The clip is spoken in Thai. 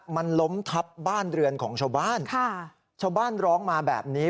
มันล้มทับบ้านเรือนของชาวบ้านชาวบ้านร้องมาแบบนี้